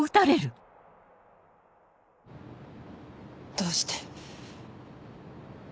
どうして。